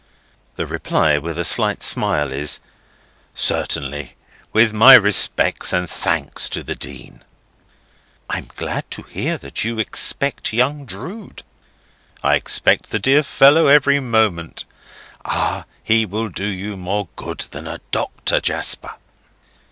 The reply, with a slight smile, is: "Certainly; with my respects and thanks to the Dean." "I'm glad to hear that you expect young Drood." "I expect the dear fellow every moment." "Ah! He will do you more good than a doctor, Jasper."